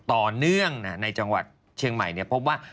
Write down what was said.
ต่อเนื่องในจังหวัดเชียงใหม่พบว่า